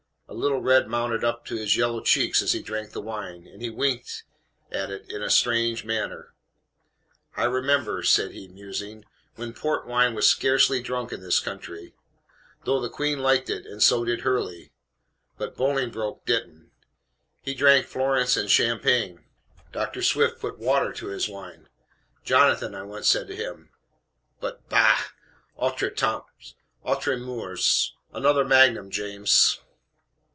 A little red mounted up to his yellow cheeks as he drank the wine, and he winked at it in a strange manner. "I remember," said he, musing, "when port wine was scarcely drunk in this country though the Queen liked it, and so did Hurley; but Bolingbroke didn't he drank Florence and Champagne. Dr. Swift put water to his wine. 'Jonathan,' I once said to him but bah! autres temps, autres moeurs. Another magnum, James."